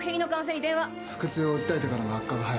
「腹痛を訴えてからの悪化が早い」